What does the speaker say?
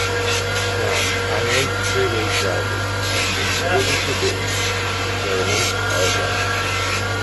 Now, finally, freeway drivers have been fully introduced to Vernon Odom.